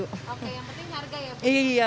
oke yang penting harga ya pak